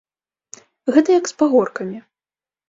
Гэта як з пагоркамі.